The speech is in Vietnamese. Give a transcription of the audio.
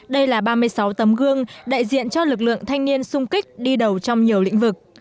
đây là ba mươi sáu tấm gương đại diện cho lực lượng thanh niên sung kích đi đầu trong nhiều lĩnh vực